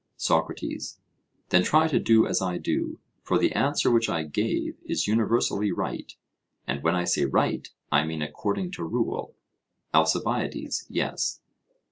SOCRATES: Then try to do as I do; for the answer which I gave is universally right, and when I say right, I mean according to rule. ALCIBIADES: Yes.